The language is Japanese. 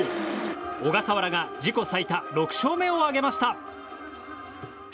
小笠原が自己最多６勝目を挙げました。